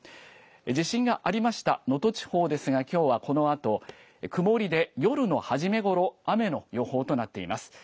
地震がありました能登地方ですがきょうはこのあと曇りで夜の初めごろ雨の予報となっています。